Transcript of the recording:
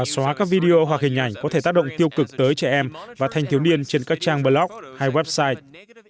xóa các video hoặc hình ảnh có thể tác động tiêu cực tới trẻ em và thanh thiếu niên trên các trang blog hay website